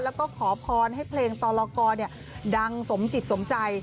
แล้วก็ขอพรให้เพลงตรกรดังสมจิตสมใจ